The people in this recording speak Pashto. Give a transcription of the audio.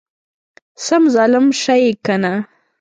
سم ظالم شې يې کنه!